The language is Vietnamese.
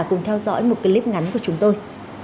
cùng theo dõi một clip ngắn của chúng tôi